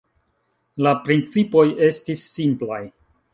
La principoj estis simplaj.